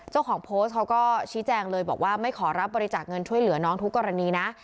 เจ้าของโพสต์เขาก็ชี้แจงเลยบอกว่าไม่ขอรับบริจาคเงินช่วยเหลือน้องทุกกรณีนะ